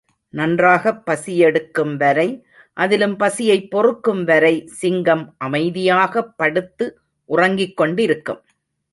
நன்றாகப் பசியெடுக்கும் வரை, அதிலும் பசியைப் பொறுக்கும் வரை சிங்கம் அமைதியாகப் படுத்து உறங்கிக் கொண்டிருக்கும்.